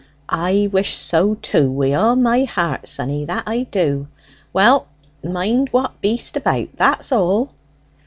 "I wish so too, wi' all my heart, sonny; that I do. Well, mind what beest about, that's all."